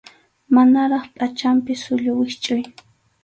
Manaraq pachanpi sullu wischʼuy.